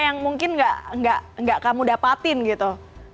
yang mungkin gak kamu dapetin gitu